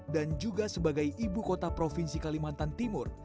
dan juga sebagai ibu kota provinsi kalimantan timur